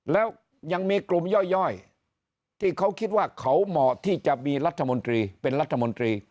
แล้วยังมีกลุ่มย่อยที่เขาคิดว่าเขาเหมาะที่จะมีรัฐมนตรีเป็นรัฐมนตรี